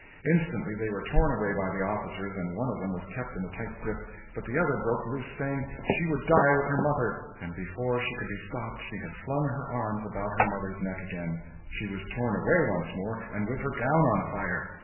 Instantly they were torn away by the officers, and one of them was kept in a tight grip, but the other broke loose, saying she would die with her mother; and before she could be stopped she had flung her arms about her mother's neck again. She was torn away once more, and with her gown on fire.